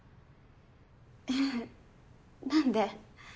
えっ何で？